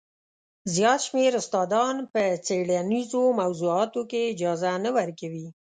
زیات شمېر استادان په څېړنیزو موضوعاتو کې اجازه نه ورکوي.